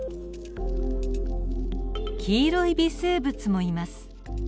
黄色い微生物もいます。